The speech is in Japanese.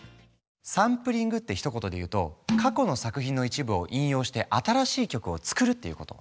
サンプリングってひと言で言うと過去の作品の一部を引用して新しい曲を作るっていうこと。